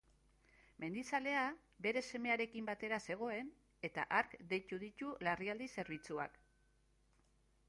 Mendizalea bere semearekin batera zegoen, eta hark deitu ditu larrialdi zerbitzuak.